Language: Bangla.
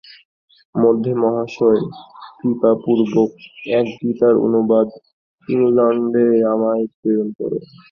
মধ্যে মহাশয় কৃপাপূর্বক এক গীতার অনুবাদ ইংলণ্ডে আমায় প্রেরণ করেন।